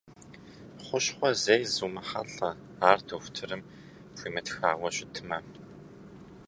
Хущхъуэ зэи зумыхьэлӀэ, ар дохутырым пхуимытхауэ щытмэ.